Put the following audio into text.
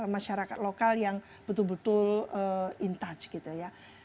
masyarakat lokal yang betul betul in touch gitu ya